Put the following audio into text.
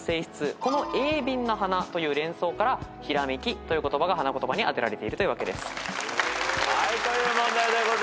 この「鋭敏な花」という連想から「ひらめき」という言葉が花言葉に当てられているというわけです。という問題でございました。